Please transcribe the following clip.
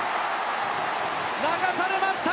流されました！